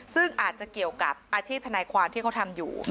ซึ่งอาจจะเกี่ยวกับอาชีพทนายความที่เขาทำอยู่